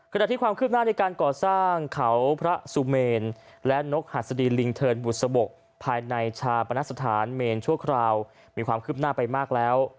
ขณะที่ความคืบหน้าในการก่อสร้างเขาพระสุเมนและนกหัสดีลิงเทินบุษบกภายในชาปนสถานเมนชั่วคราวมีความคืบหน้าไปมากแล้ว